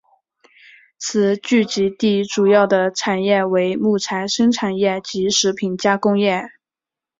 此聚居地主要的产业为木材生产业及食品加工业。